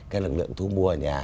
cái lực lượng thu mua ở nhà